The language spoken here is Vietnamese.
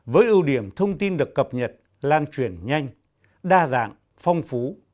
với ưu điểm thông tin được cập nhật lan truyền nhanh đa dạng phong phú